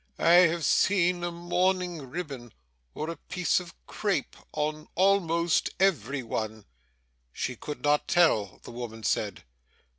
I have seen a mourning ribbon or a piece of crape on almost every one.' She could not tell, the woman said.